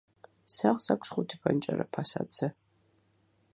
სახლს აქვს ხუთი ფანჯარა ფასადზე.